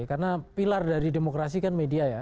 karena pilar dari demokrasi kan media ya